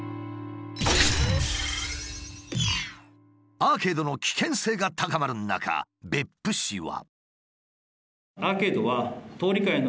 アーケードの危険性が高まる中別府市は。